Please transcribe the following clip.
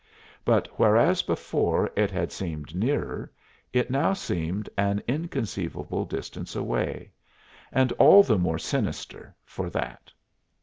But whereas before it had seemed nearer, it now seemed an inconceivable distance away, and all the more sinister for that.